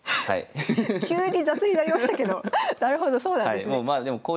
急に雑になりましたけどなるほどそうなんですね。